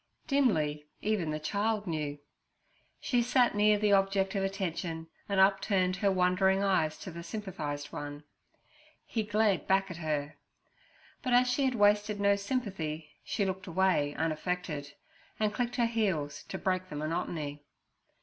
Dimly even the child knew. She sat near the object of attention, and upturned her wondering eyes to the sympathized one. He glared back at her; but as she had wasted no sympathy, she looked away unaffected, and clicked her heels to break the monotony.